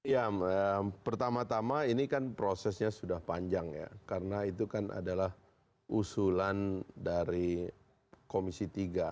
ya pertama tama ini kan prosesnya sudah panjang ya karena itu kan adalah usulan dari komisi tiga